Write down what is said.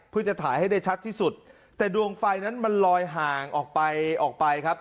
เพื่อจะถ่ายให้ได้ชัดที่สุดแต่ดวงไฟนั้นมันลอยห่างออกไปออกไปครับ